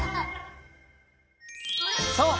そう。